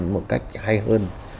một cách hay hơn